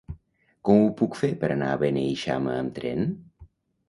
Com ho puc fer per anar a Beneixama amb tren?